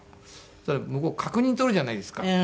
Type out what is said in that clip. そしたら向こう確認取るじゃないですか。